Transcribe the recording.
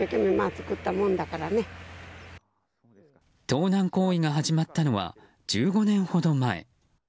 盗難行為が始まったのは１５年ほど前。